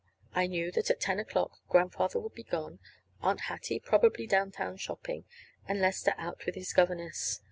I knew that at ten o'clock Grandfather would be gone, Aunt Hattie probably downtown shopping, and Lester out with his governess.